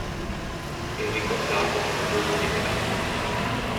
È ricordato come uomo di teatro.